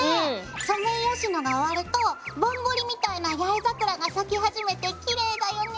ソメイヨシノが終わるとぼんぼりみたいな八重桜が咲き始めてきれいだよね。